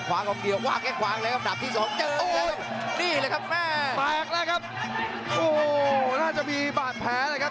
สองเจอร์โอ้ยนี่แหละครับแม่แมกแล้วครับโอ้โหน่าจะมีบาดแผลแหละครับ